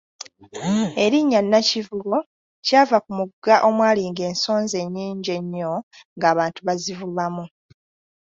Erinnya Nakivubo kyava ku mugga omwalinga ensonzi ennyingi ennyo ng'abantu bazivubamu.